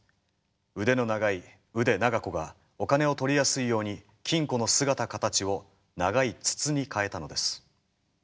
腕の長い腕長子がお金を取りやすいように金庫の姿形を長い筒に変えたのです。